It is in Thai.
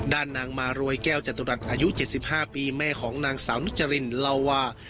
ด้านนางมารวยแก้วจตุดัดอายุ๗๕ปีแม่ของนางสาวนุจจริงลาวา